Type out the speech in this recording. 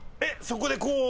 そこでこう。